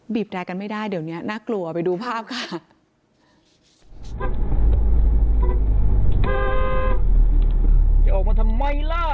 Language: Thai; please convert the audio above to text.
แรร์กันไม่ได้เดี๋ยวนี้น่ากลัวไปดูภาพค่ะ